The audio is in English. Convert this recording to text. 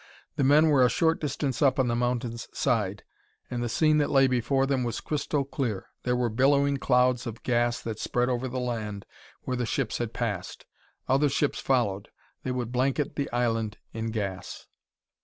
The men were a short distance up on the mountain's side, and the scene that lay before them was crystal clear. There were billowing clouds of gas that spread over the land where the ships had passed. Other ships followed; they would blanket the island in gas.